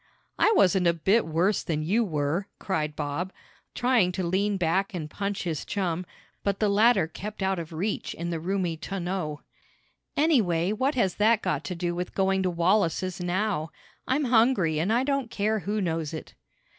"I wasn't a bit worse than you were!" cried Bob, trying to lean back and punch his chum, but the latter kept out of reach in the roomy tonneau. "Anyhow, what has that got to do with going to Wallace's now? I'm hungry and I don't care who knows it."